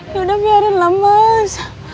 yaudah biarin lah mas